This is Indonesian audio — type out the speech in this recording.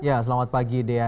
ya selamat pagi dea